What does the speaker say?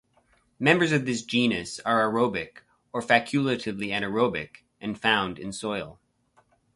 Members of this genus are aerobic or facultatively anaerobic and found in soil.